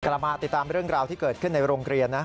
กลับมาติดตามเรื่องราวที่เกิดขึ้นในโรงเรียนนะ